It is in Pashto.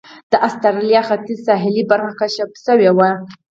د اسټرالیا ختیځه ساحلي برخه کشف شوې وه.